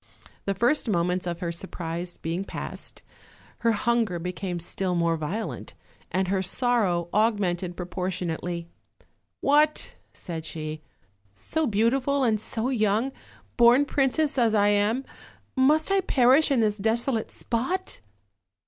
The first moments of her surprise being passed, her hunger became still more violent, and her sorrow aug mented proportionately. "What!" said she, "so beau tiful and so young, born princess as I am, must I perish in this desolate spot?